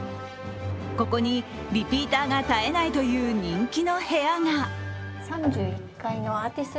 ここに、リピーターが絶えないという人気の部屋が。